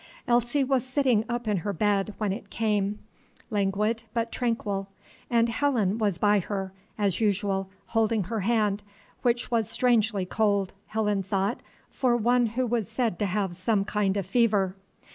Elsie was sitting up in her bed when it came, languid, but tranquil, and Helen was by her, as usual, holding her hand, which was strangely cold, Helen thought, for one who was said to have some kind of fever.